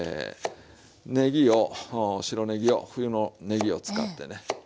ねぎを白ねぎを冬のねぎを使ってね。